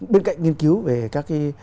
bên cạnh nghiên cứu về các